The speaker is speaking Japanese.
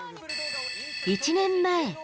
１年前。